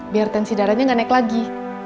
biar tensi darahnya nggak naik lagi